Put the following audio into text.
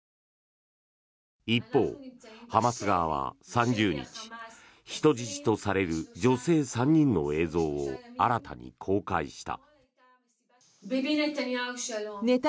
一方、ハマス側は３０日人質とされる女性３人の映像を新たに公開した。